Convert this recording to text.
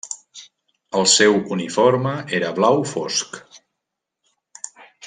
El seu uniforme era blau fosc.